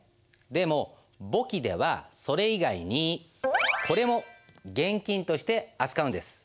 でも簿記ではそれ以外にこれも現金として扱うんです。